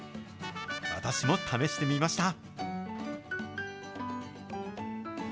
私も試してみました。